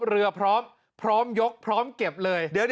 เรือพร้อมพร้อมยกพร้อมเก็บเลย